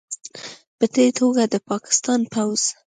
پدې توګه، د پاکستان پوځ